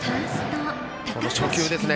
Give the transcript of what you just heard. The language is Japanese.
この初球ですね。